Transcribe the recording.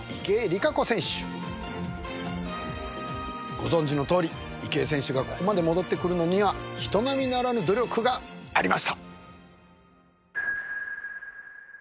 ご存じのとおり池江選手がここまで戻ってくるのには人並みならぬ努力がありました！